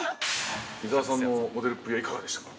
◆伊沢さんのモデルっぷりはいかがでしたか。